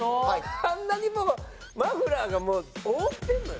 あんなにもうマフラーが覆ってるのよ？